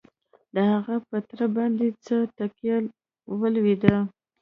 د هغه په تره باندې څه ټکه ولوېده؟